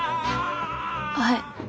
はい。